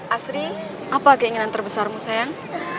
asri apa keinginan terbesarmu sayang